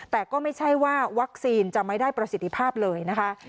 แต่ก็ไม่ใช่ว่าวัคซีนจะไม่ได้ประสิทธิภาพเลยนะคะ